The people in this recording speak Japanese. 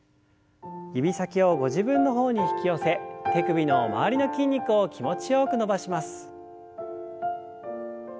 指先をご自分の方に引き寄せ手首の周りの筋肉を気持ちよく伸ばします。